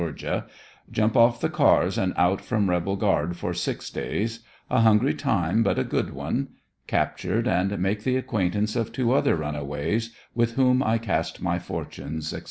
— JUMP OFF THE CARS AND OUT FROM REBEL GUARD FOR SIX DAYS — A HUNGRY TIME BUT A GOOD ONE — CAPTURED AND MAKE THE ACQUAINTANCE OF TWO OTHER RUNAWAYS WITH WHOM I CAST MY FORTUNES, ETC.